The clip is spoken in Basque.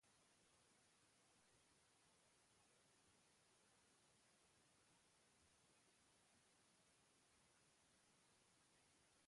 Horiez gain, pertsonalki apartatzeko modukoak iruditu zaizkien argazkiak ere aukeratu dituzte.